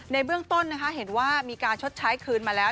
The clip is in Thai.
ในเบื้องต้นเห็นว่ามีการชดใช้คืนมาแล้ว